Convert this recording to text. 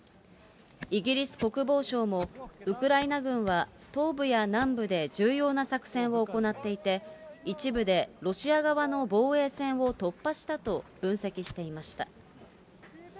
イギリス国防省も、ウクライナ軍は東部や南部で重要な作戦を行っていて、一部でロシア側の防衛線を突破したと、分析していました。